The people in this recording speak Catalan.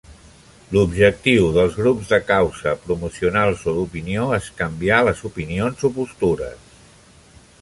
L'objectiu dels grups de "causa", "promocionals" o "d'opinió" és canviar les opinions o postures.